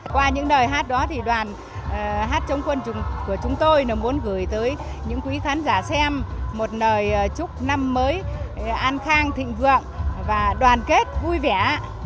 qua những lời hát đó thì đoàn hát chống quân của chúng tôi muốn gửi tới những quý khán giả xem một lời chúc năm mới an khang thịnh vượng và đoàn kết vui vẻ